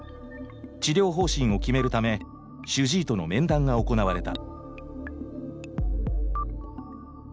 治療方針を決めるため主治医との面談が行われた。